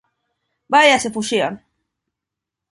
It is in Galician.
¡Vaia se fuxían!